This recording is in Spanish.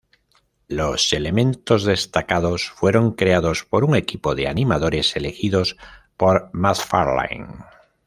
Los elementos destacados fueron creados por un equipo de animadores elegidos por MacFarlane.